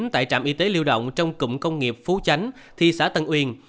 tại trạm y tế lưu động trong cụng công nghiệp phú chánh thị xã tân nguyên